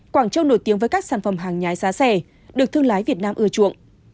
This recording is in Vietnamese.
quảng châu nổi tiếng với các sản phẩm hàng nhái giá rẻ được thương lái việt nam ưa chuộng